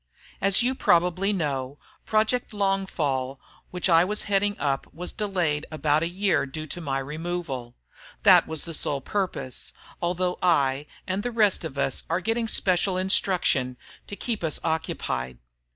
As you probably know, Project Longfall, which I was heading up was delayed about a year due to my removal. That was the sole purpose, although I and the rest of us are getting special instruction to keep us occupied.